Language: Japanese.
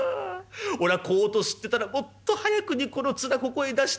おらこうと知ってたらもっと早くにこの面ここへ出したで。